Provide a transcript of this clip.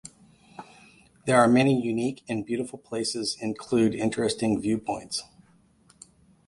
There are many unique and beautiful places include interesting viewpoints.